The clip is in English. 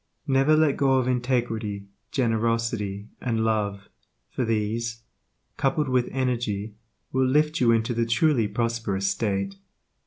Never let go of integrity, generosity, and love, for these, coupled with energy, will lift you into the truly prosperous state.